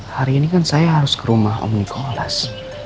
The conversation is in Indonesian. hari ini kan saya harus ke rumah om nicholas